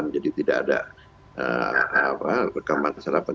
jadi tidak ada rekaman penyadapan